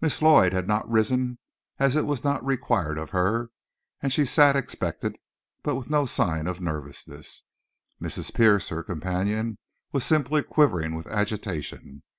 Miss Lloyd had not risen as it was not required of her, and she sat expectant, but with no sign of nervousness. Mrs. Pierce, her companion, was simply quivering with agitation.